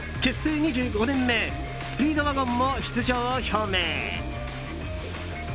２５年目スピードワゴンも出場を表明。